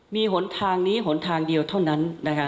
มีหนทางนี้หนทางเดียวเท่านั้นนะคะ